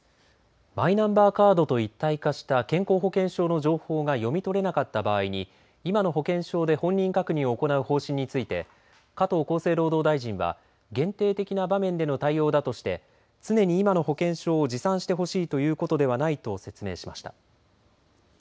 マイナンバーカードと一体化した健康保険証の情報が読み取れなかった場合に今の保険証で本人確認を行う方針について、加藤厚生労働大臣は限定的な場面での対応だとして常に今の保険証を持参してほしいよいうことではないと説明しました。